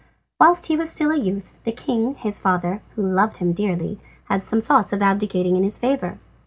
Whilst he was still a youth the king, his father, who loved him dearly, had some thoughts of abdicating in his favour.